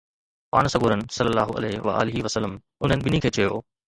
پاڻ سڳورن صلي الله عليه وآله وسلم انهن ٻنهي کي چيو